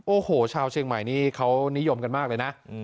โอ้โหชาวเชียงใหม่นี่เขานิยมกันมากเลยนะ